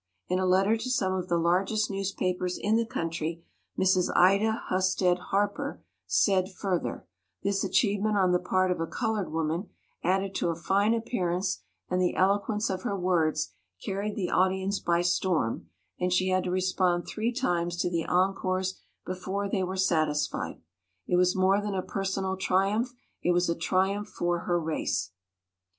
In a letter to some of the largest newspapers in the country Mrs. Ida Husted Harper said fur ther: "This achievement on the part of a colored woman, added to a fine appearance MART CHURCH TERRELL 99 and the eloquence of her words, carried the audience by storm and she had to respond three times to the encores before they were satisfied. It was more than a personal tri umph; it was a triumph for her race."